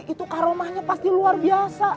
itu karomahnya pasti luar biasa